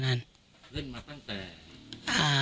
เล่นมาตั้งแต่